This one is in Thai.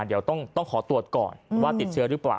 เดี๋ยวต้องขอตรวจก่อนว่าติดเชื้อหรือเปล่า